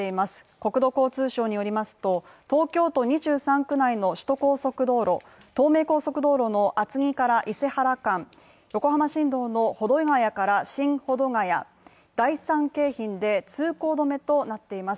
国土交通省によりますと、東京都２３区内の首都高速道路、東名高速道路の厚木から伊勢原間、横浜新道の保土ヶ谷から新保土ヶ谷第３京浜で通行止めとなっています。